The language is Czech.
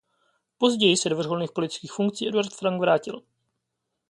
Později se do vrcholných politických funkcí Eduard Frank vrátil.